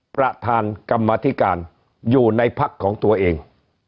ประธานกรรมธิการอยู่ในพักของตัวเอง